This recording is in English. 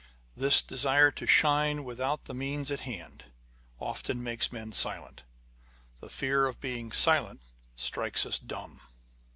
This desire to shine without the means at hand, often makes men silent: â€" The fear of being silent strikes us dumb.